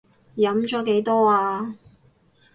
飲咗幾多呀？